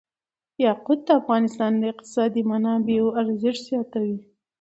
یاقوت د افغانستان د اقتصادي منابعو ارزښت زیاتوي.